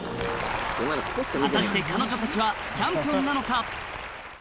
果たして彼女たちはチャンピオンなのか？